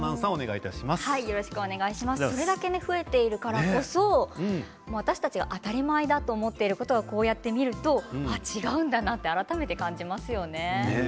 それだけ増えているからこそ私たちが当たり前だと思っていることはこうやって見ると違うんだなと改めて感じますよね。